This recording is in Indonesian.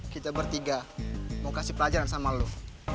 kita bertiga mau kasih pelajaran sama lo